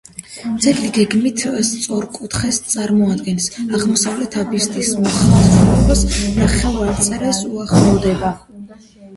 ძეგლი გეგმით სწორკუთხედს წარმოადგენს; აღმოსავლეთით აბსიდის მოხაზულობა ნახევარწრეს უახლოვდება.